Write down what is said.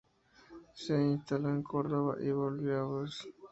Se instaló en Córdoba, y volvió a Bs.